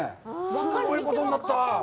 すごいことになった。